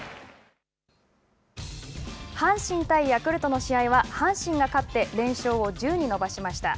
阪神対ヤクルトの試合は阪神が勝って連勝を１０に伸ばしました。